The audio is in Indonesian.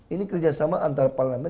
ini kerjasama antarparlemen